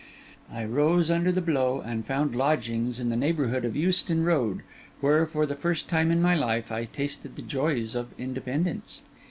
I rose under the blow, and found lodgings in the neighbourhood of Euston Road, where, for the first time in my life, I tasted the joys of independence.